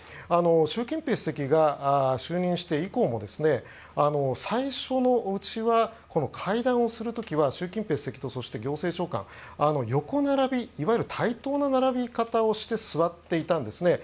習近平主席が就任して以降も最初のうちは、会談をする時は習近平主席と行政長官、横並びいわゆる対等な並び方をして座っていたんですね。